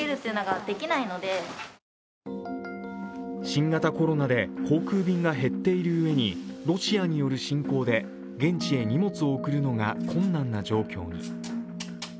新型コロナで航空便が減っているうえにロシアによる侵攻で現地へ荷物を送るのが困難な状況に。